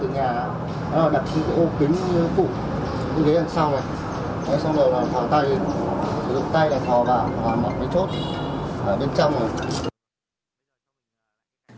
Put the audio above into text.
xong rồi là thỏ tay lên dựng tay để thỏ vào và mở cái chốt ở bên trong này